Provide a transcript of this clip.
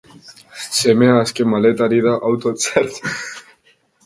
Semea azken maleta ari da autoan sartzen...